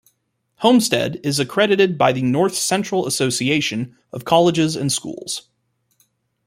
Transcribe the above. Homestead is accredited by the North Central Association of Colleges and Schools.